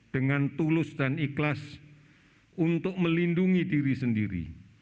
dengan tulus dan ikhlas untuk melindungi diri sendiri